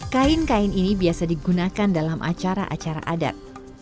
kain kain ini biasa digunakan dalam acara acara adat